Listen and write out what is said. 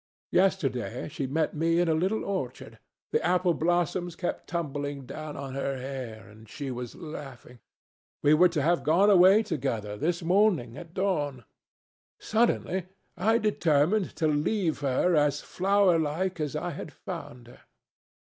Yesterday she met me in a little orchard. The apple blossoms kept tumbling down on her hair, and she was laughing. We were to have gone away together this morning at dawn. Suddenly I determined to leave her as flowerlike as I had found her."